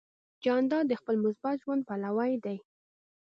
جانداد د مثبت ژوند پلوی دی.